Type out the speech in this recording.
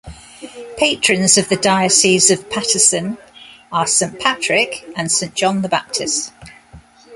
Patrons of the Diocese of Paterson are Saint Patrick and Saint John the Baptist.